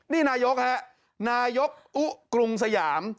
นี่นายกฮะนายกอุกรุงสยาม